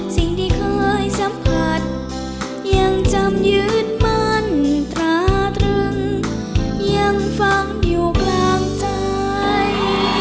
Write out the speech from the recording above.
สิ่งที่เคยสัมผัสยังจำยืนมั่นตราตรึงยังฟังอยู่กลางใจ